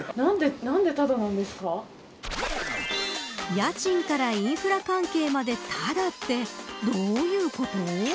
家賃からインフラ関係まで、ただってどういうこと。